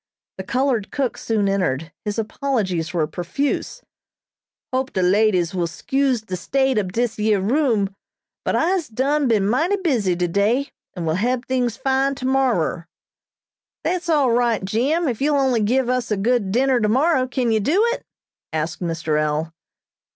The colored cook soon entered. His apologies were profuse. "Hope de ladies will 'scuze de state ob dis year room, but I'se done been mighty busy today, and will hab tings fine tomorer." "That's all right, Jim, if you only give us a good dinner tomorrow. Can you do it?" asked Mr. L.